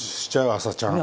朝ちゃん。